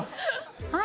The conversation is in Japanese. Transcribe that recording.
はい。